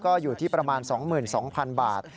ก็อยู่ที่ประมาณ๒๒๐๐๐บาท